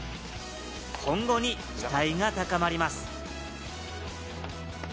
今後に期待が高まります。